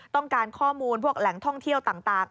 ต้องการข้อมูลพวกแหล่งท่องเที่ยวต่าง